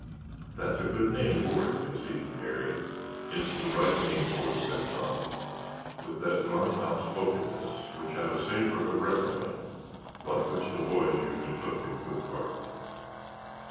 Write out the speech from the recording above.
"That's a good name for it," conceded Garry. "It's the right name for it," said Tom, with that blunt outspokenness which had a savor of reprimand but which the boys usually took in good part.